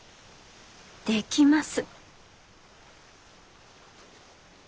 できます。